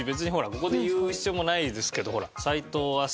ここで言う必要もないですけど齋藤飛鳥